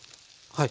はい。